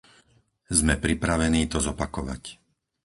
Sme pripravení to zopakovať.